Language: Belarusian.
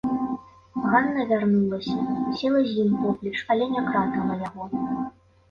Ганна вярнулася, села з ім поплеч, але не кратала яго.